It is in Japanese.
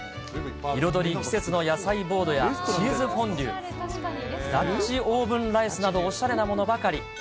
彩り季節の野菜ボードやチーズフォンデュ、ダッチオーブンライスなど、おしゃれなものばかり。